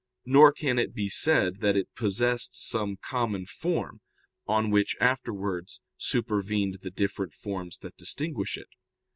Nor can it be said that it possessed some common form, on which afterwards supervened the different forms that distinguish it.